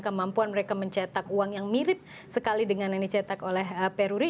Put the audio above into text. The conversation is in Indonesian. kemampuan mereka mencetak uang yang mirip sekali dengan yang dicetak oleh peruri